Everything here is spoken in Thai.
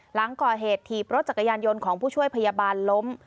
หลังก่อเหตุถีบรถจักรยานยนต์ของผู้ช่วยพยาบาลล้ม